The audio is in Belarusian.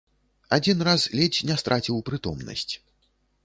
Адзін раз ледзь не страціў прытомнасць.